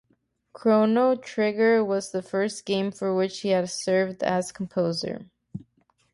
"Chrono Trigger" was the first game for which he had served as composer.